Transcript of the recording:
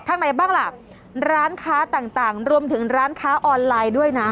ข้างในบ้างล่ะร้านค้าต่างรวมถึงร้านค้าออนไลน์ด้วยนะ